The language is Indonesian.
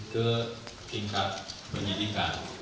ke tingkat penyelidikan